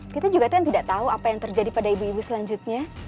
kita juga kan tidak tahu apa yang terjadi pada ibu ibu selanjutnya